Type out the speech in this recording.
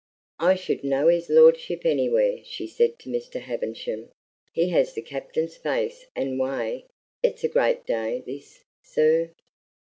"I should know his lordship anywhere," she said to Mr. Havisham. "He has the Captain's face and way. It's a great day, this, sir."